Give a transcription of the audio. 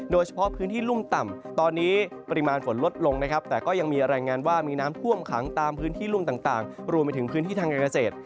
โดยเฉพาะพื้นที่รุ่มต่ำตอนนี้ปริมาณฝนลดลงนะครับแต่ก็ยังมีรายงานว่ามีน้ำท่วมขังตามพื้นที่รุ่มต่างรวมไปถึงพื้นที่ทางการเกษตร